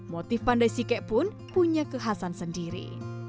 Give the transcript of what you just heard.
motif pandai sike pun punya kekhasan sendiri